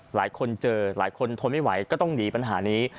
หลายคนเจอหลายคนทนไม่ไหวก็ต้องหนีปัญหานี้